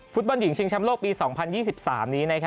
ฟุตบอลหญิงชิงแชมป์โลกปี๒๐๒๓นี้